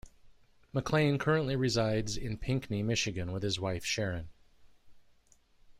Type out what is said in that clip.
McLain currently resides in Pinckney, Michigan, with his wife, Sharyn.